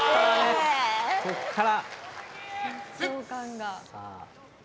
ここから。